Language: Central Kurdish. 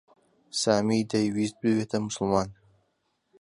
سامی دەیویست ببێتە موسڵمان.